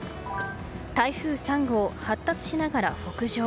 台風３号、発達しながら北上。